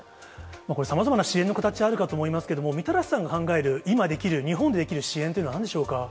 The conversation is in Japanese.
これ、さまざまな支援の形あるかと思いますけれども、みたらしさんが考える、今できる、日本でできる支援っていうのはなんでしょうか？